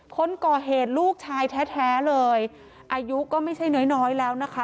คนก่อเหตุลูกชายแท้แท้เลยอายุก็ไม่ใช่น้อยน้อยแล้วนะคะ